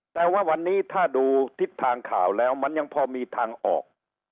แต่ว่าวันนี้ถ้าดูทิศทางข่าวแล้วมันยังพอมีทางออก